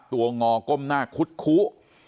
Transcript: งอก้มหน้าคุดคุ